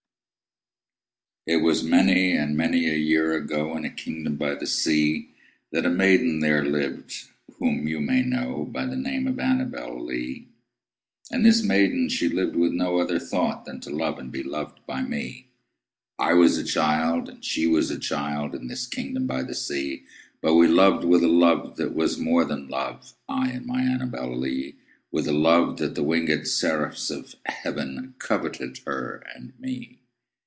It was many and many a year ago, In a kingdom by the sea, That a maiden there lived whom you may know By the name of ANNABEL LEE; And this maiden she lived with no other thought Than to love and be loved by me. I was a child and she was a child, In this kingdom by the sea: But we loved with a love that was more than love I and my ANNABEL LEE; With a love that the winged seraphs of heaven Coveted her and me.